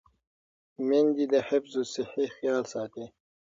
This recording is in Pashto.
میندې د حفظ الصحې خیال ساتي.